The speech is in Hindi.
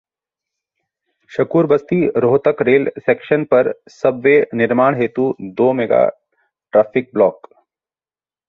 शकूरबस्ती-रोहतक रेल सेक्शन पर सब-वे निर्माण हेतु दो मेगा ट्रफिक ब्लॉक